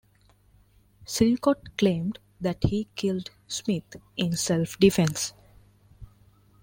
Silcott claimed that he killed Smith in self defence.